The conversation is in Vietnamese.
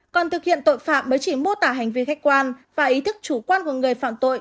còn thực hiện tội phạm mới chỉ mô tả hành vi khách quan và ý thức chủ quan của người phạm tội